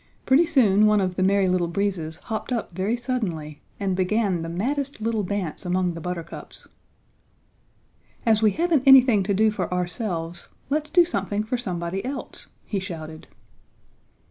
Pretty soon one of the Merry Little Breezes hopped up very suddenly and began the maddest little dance among the buttercups. "As we haven't anything to do for ourselves let's do something for somebody else!" he shouted.